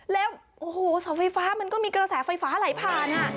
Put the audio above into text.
แล้วโอ้โหเสาไฟฟ้ามันก็มีกระแสไฟฟ้าไหลผ่าน